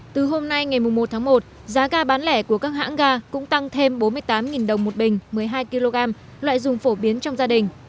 từ hôm nay ngày một tháng một giá ga bán lẻ của các hãng ga cũng tăng thêm bốn mươi tám đồng một bình một mươi hai kg loại dùng phổ biến trong gia đình